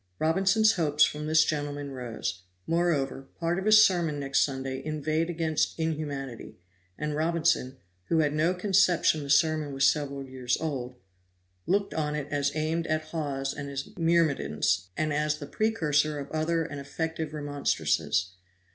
Robinson's hopes from this gentleman rose; moreover, part of his sermon next Sunday inveighed against inhumanity; and Robinson, who had no conception the sermon was several years old, looked on it as aimed at Hawes and his myrmidons and as the precursor of other and effective remonstrances.